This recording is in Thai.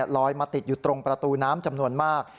ลอยมาติดอยู่ตรงประตูน้ำจำนวนมาก